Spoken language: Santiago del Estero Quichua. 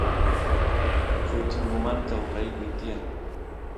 llutingumanta uraykuy tiyan